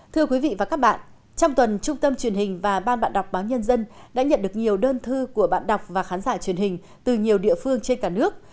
thưa quý vị và các bạn trong tuần trung tâm truyền hình và ban bạn đọc báo nhân dân đã nhận được nhiều đơn thư của bạn đọc và khán giả truyền hình từ nhiều địa phương trên cả nước